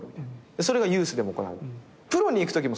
それがユースでも行われる。